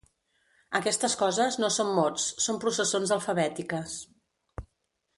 Aquestes coses no són mots, són processons alfabètiques.